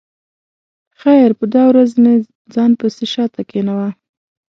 خیر په دا ورځ مې ځان پسې شا ته کېناوه.